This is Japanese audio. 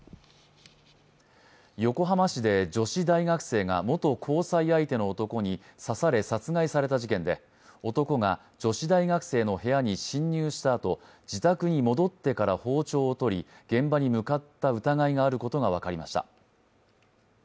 横浜市で女子大学生が元交際相手の男に刺され殺害された事件で男が女子大学生の部屋に侵入したあと、自宅に戻ってから包丁を取り現場に向かった疑いがあることが分かりました。